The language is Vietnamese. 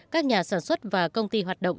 các nhà sản xuất và công ty hoạt động